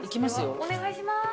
お願いします。